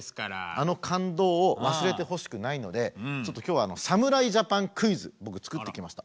あの感動を忘れてほしくないのでちょっと今日は侍ジャパンクイズ僕作ってきました。